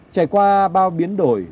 trải qua bao biến đổi